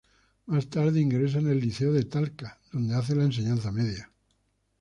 Más tarde ingresa en el Liceo de Talca, donde hace la enseñanza media.